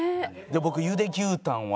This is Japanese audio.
僕茹で牛タンは。